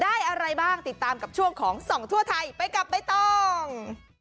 อะไรบ้างติดตามกับช่วงของส่องทั่วไทยไปกับใบตอง